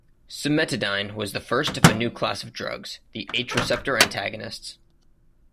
Cimetidine was the first of a new class of drugs, the H-receptor antagonists.